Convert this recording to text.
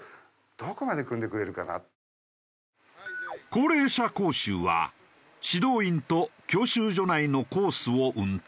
高齢者講習は指導員と教習所内のコースを運転。